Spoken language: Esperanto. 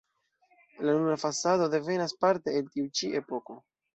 La nuna fasado devenas parte el tiu ĉi epoko.